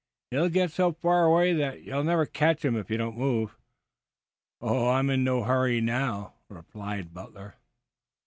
He'll get so far away that you'll never catch him if you don't move." "I am in no hurry now," replied Butler.